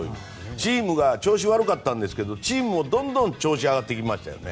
チームが調子悪かったんですけどどんどん調子上がってきましたよね。